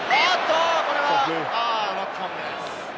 これはノックオンです。